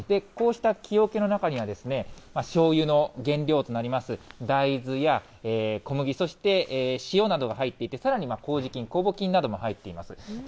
こうした木おけの中には、しょうゆの原料となります大豆や小麦、そして塩などが入っていて、さらにこうじ菌、酵母菌なども入っています。